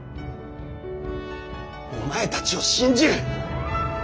お前たちを信じる！